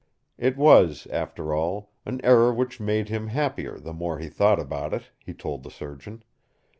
It was, after all, an error which made him happier the more he thought about it, he told the surgeon.